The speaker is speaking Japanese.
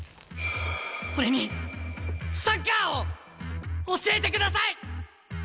俺にサッカーを教えてください！